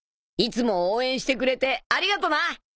いつも応援してくれてありがとな！